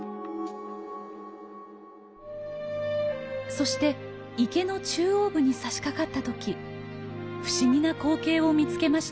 そして池の中央部にさしかかった時不思議な光景を見つけました。